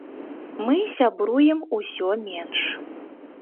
Мы сябруем усё менш.